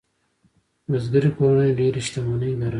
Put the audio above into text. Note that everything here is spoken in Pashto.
بزګري کورنۍ ډېرې شتمنۍ لرلې.